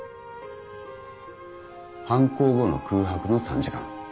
犯行後の空白の３時間。